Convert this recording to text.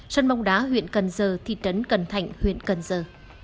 sân bóng đá huyện cần giờ thị trấn cần thạnh huyện cần giờ